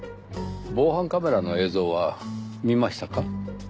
防犯カメラの映像は見ましたか？